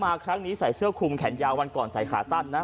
ครั้งนี้ใส่เสื้อคลุมแขนยาววันก่อนใส่ขาสั้นนะ